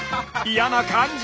嫌な感じ！